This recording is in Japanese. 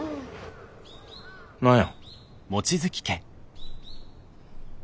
何や。